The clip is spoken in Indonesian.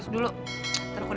baca buku di perpus